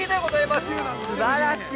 ◆すばらしい。